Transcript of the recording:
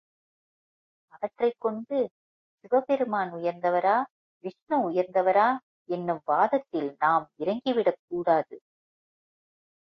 அவற்றைக் கொண்டு சிவபெருமான் உயர்ந்தவரா, விஷ்ணு உயர்ந்தவரா என்னும் வாதத்தில் நாம் இறங்கிவிடக் கூடாது.